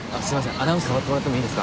アナウンス代わってもらってもいいですか？